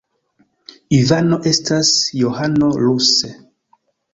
Ivano estas Johano ruse.